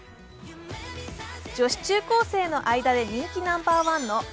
女子中高生の間で人気ナンバーワンのＩＶＥ。